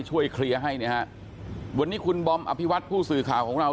ช่วยเคลียร์ให้นะฮะวันนี้คุณบอมอภิวัตผู้สื่อข่าวของเรา